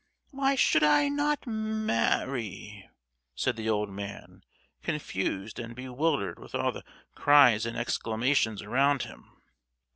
Why should I not ma—arry!" said the old man, confused and bewildered with all the cries and exclamations around him.